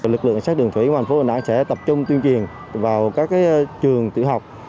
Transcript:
lực lượng sát đường thủy của hà nội sẽ tập trung tuyên truyền vào các trường tự học